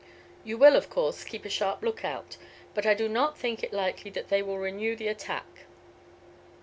You will, of course, keep a sharp look out; but I do not think it likely that they will renew the attack.